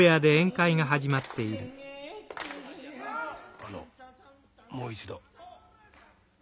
あのもう一度。